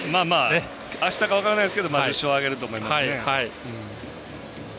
あしたかは分からないですけど１０勝は挙げると思いますね。